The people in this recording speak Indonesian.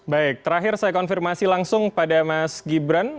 baik terakhir saya konfirmasi langsung pada mas gibran